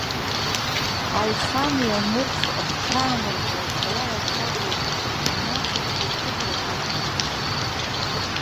Аихамҩа нырцә рҽааныркылт ҳәа иалацәажәоит, нациҵеит ԥыҭрак ашьҭахь.